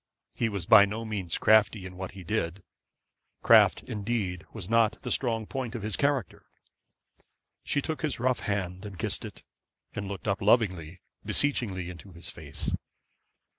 He was by no means crafty in what he did. Craft indeed was not the strong point of his character. She took his rough hand and kissed it, and looked up lovingly, beseechingly into his face.